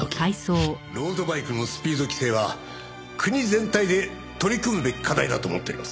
ロードバイクのスピード規制は国全体で取り組むべき課題だと思っております。